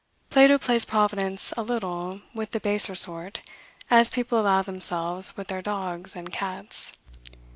Plato plays Providence a little with the baser sort, as people allow themselves with their dogs and cats.